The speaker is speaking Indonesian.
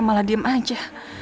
malah diem aja